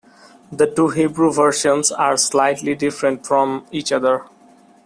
The two Hebrew versions are slightly different from each other.